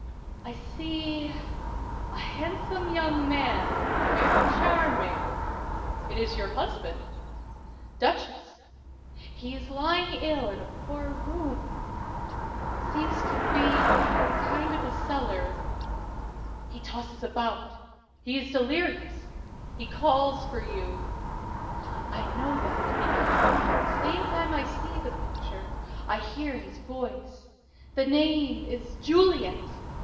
"I see a handsome young man very charming. It is your husband, Duchess. He is lying ill in a poor room. It seems to be a kind of cellar. He tosses about. He is delirious. He calls for you. I know that, because at the same time I see the picture I hear his voice. The name is 'Juliet!'